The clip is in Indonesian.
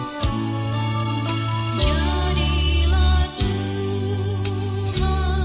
dan apakah habil church